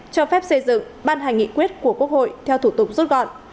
cho phép xây dựng ban hành nghị quyết của quốc hội theo thủ tục rút gọn